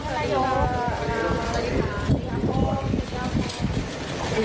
สวัสดีค่ะสวัสดีครับ